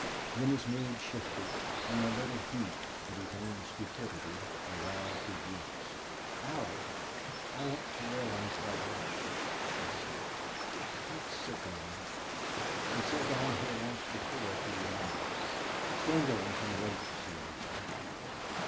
Then his mood shifted and a little heat at his own stupidity aroused his wits. "Allie, I want to realize what's happened," he said. "Let's sit down here. We sat here once before, if you remember. Slingerland can wait to see me."